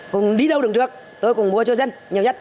cùng đi đâu đường trường tôi cùng mua cho dân nhiều nhất